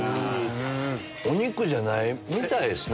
お肉じゃないみたいですね。